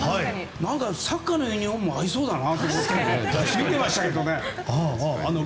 何かサッカーのユニホームも合いそうだなと思って見てましたけどね。